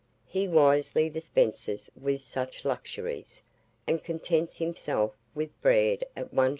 He wisely dispenses with such luxuries, and contents himself with bread at 1s.